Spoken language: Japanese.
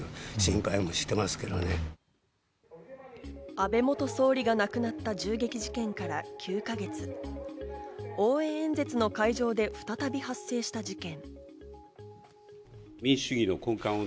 安倍元総理が亡くなった銃撃事件から９か月、応援演説の会場で再び発生した事件。